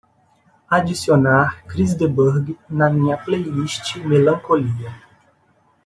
adicionar Chris de Burgh na minha playlist melancholia